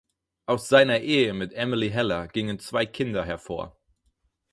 Aus seiner Ehe mit Emily Heller gingen zwei Kinder hervor.